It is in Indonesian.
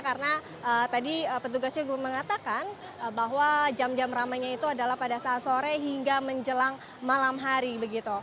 karena tadi petugasnya juga mengatakan bahwa jam jam ramainya itu adalah pada saat sore hingga menjelang malam hari